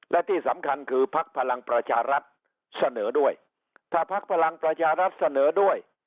และที่สำคัญคือพักพลังประชารัฐเสนอด้วยถ้าพักพลังประชารัฐเสนอด้วย